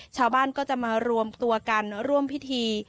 ชาวบ้านก็จะมารวมตัวกันร่วมพิธี